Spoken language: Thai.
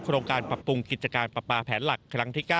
โครงการปรับปรุงกิจการปรับปลาแผนหลักครั้งที่๙